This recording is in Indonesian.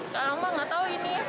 kalau mah nggak tahu ini